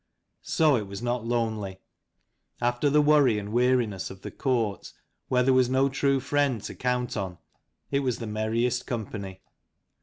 So it was not lonely. After the worry and weariness of the court, where there was no true friend to count on, it was the merriest company.